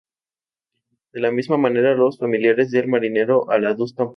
De la misma manera, los familiares del marinero andaluz tampoco viajaron hacia Seychelles.